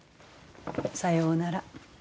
さようなら。